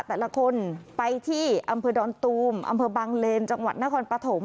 แต่ละคนไปที่อำเภอดอนตูมอำเภอบางเลนจังหวัดนครปฐม